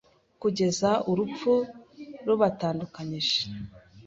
kugeza urupfu rubatandukanyije